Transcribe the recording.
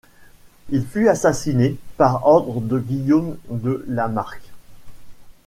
Il fut assassiné par ordre de Guillaume de La Marck.